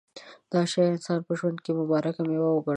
دا شی د انسانانو په ژوند کې مبارکه مېوه وګڼله.